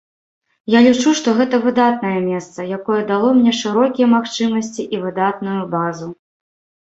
Я лічу, што гэта выдатнае месца, якое дало мне шырокія магчымасці і выдатную базу.